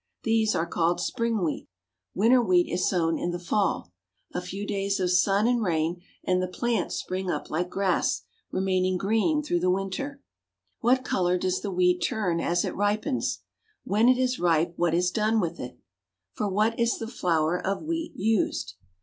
These are called spring wheat. Winter wheat is sown in the fall. A few days of sun and rain, and the plants spring up like grass, remaining green through the winter. What color does the wheat turn as it ripens? When it is ripe what is done with it? For what is the flour of wheat used? [Illustration: HARVESTING WHEAT IN THE WEST.